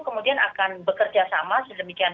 kemudian akan bekerja sama sedemikian